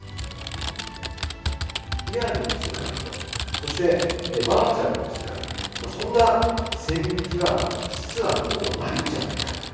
リアルの世界と、そしてバーチャルの世界、そんな線引きは実はもうないんじゃないか。